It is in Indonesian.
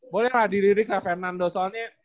boleh lah diririk lah fernando soalnya